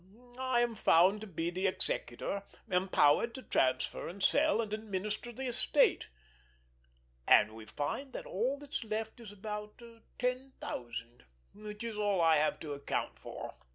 I am found to be the executor, empowered to transfer and sell, and administer the estate—and we find that all that's left is about ten thousand—which is all I have to account for.